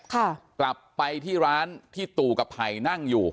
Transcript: กลับไปที่ร้านที่ตู่กับไผ่นั่งอยู่